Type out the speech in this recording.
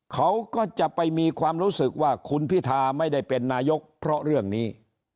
เขาก็จะไปมีความรู้สึกว่าคุณพิธาไม่ได้เป็นนายกเพราะเรื่องนี้